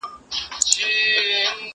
دا تمرين له هغه ګټور دی!.